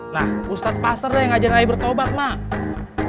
nah ustadz pasar yang ngajarin ae bertobat mak